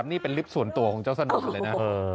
นี่เป็นลิฟต์ส่วนตัวของเจ้าสนอเลยนะ